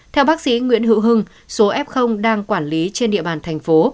theo bác sĩ nguyễn hữu hưng số f đang quản lý trên địa bàn thành phố